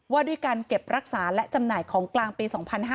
ว่าด้วยการเก็บรักษาและจำหน่ายของกลางปี๒๕๕๙